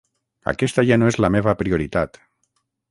Aquesta ja no és la meva prioritat.